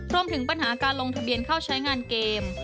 รวมถึงปัญหาการลงทะเบียนเข้าใช้งานเกม